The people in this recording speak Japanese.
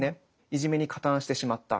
いじめに加担してしまった。